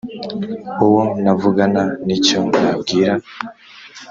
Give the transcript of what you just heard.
uwo navugana n'icyo nabwira,